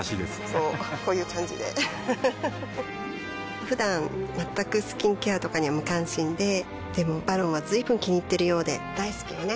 こうこういう感じでうふふふだん全くスキンケアとかに無関心ででも「ＶＡＲＯＮ」は随分気にいっているようで大好きよね